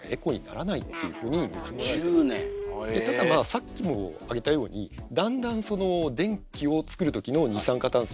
さっきも挙げたようにだんだんその電気を作る時の二酸化炭素